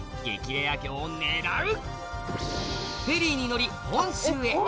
レア魚を狙う！